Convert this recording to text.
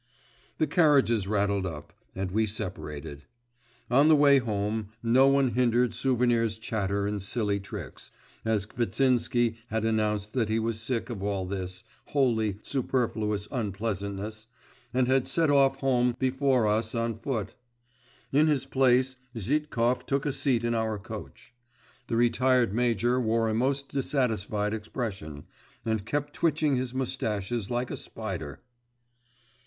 The carriages rattled up … and we separated. On the way home, no one hindered Souvenir's chatter and silly tricks, as Kvitsinsky had announced that he was sick of all this 'wholly superfluous' unpleasantness, and had set off home before us on foot. In his place, Zhitkov took a seat in our coach. The retired major wore a most dissatisfied expression, and kept twitching his moustaches like a spider.